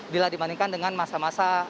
bila dibandingkan dengan masa masa